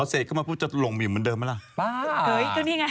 พอเศษกึ่งมาเค้าพูดจะหลงเหมือนเดิมหรือยังล่ะ